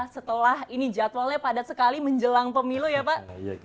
setelah ini jadwalnya padat sekali menjelang pemilu ya pak